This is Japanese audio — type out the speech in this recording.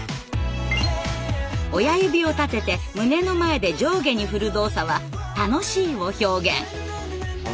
親指を立てて胸の前で上下に振る動作は「楽しい」を表現。